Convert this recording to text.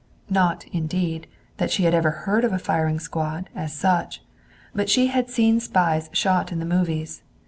Not, indeed, that she had ever heard of a firing squad, as such. But she had seen spies shot in the movies.